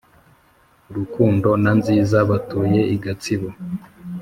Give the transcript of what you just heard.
rukundo na nziza batuye i gatsibo